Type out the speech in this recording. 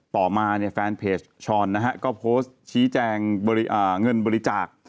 ต่อมาเนี่ยแฟนเพจช้อนนะฮะก็โพสต์ชี้แจงเงินบริจาค